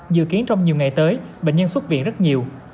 dự kiến trong nhiều ngày tới bệnh nhân xuất viện rất nhiều